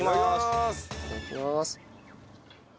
いただきます。